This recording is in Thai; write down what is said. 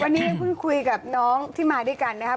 วันนี้ยังเพิ่งคุยกับน้องที่มาด้วยกันนะครับ